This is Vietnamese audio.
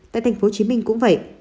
tại tp hcm cũng vậy